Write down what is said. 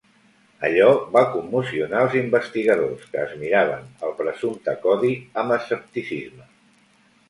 Allò va commocionar els investigadors que es miraven el presumpte codi amb escepticisme.